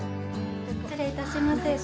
失礼いたします。